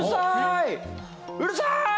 うるさーい！